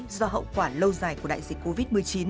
do hậu quả lâu dài của đại dịch covid một mươi chín